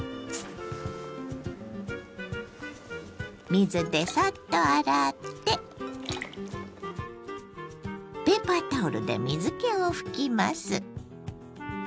水でサッと洗ってペーパータオルで水けを拭きます。